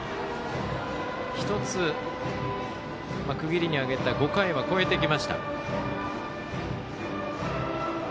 １つ、区切りに挙げた５回は超えてきました。